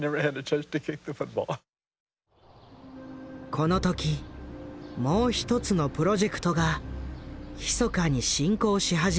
この時もう一つのプロジェクトがひそかに進行し始めていた。